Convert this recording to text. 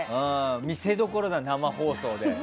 見せどころだ、生放送で。